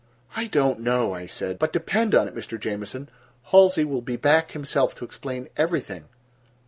"I don't know," I said; "but depend on it, Mr. Jamieson, Halsey will be back himself to explain everything."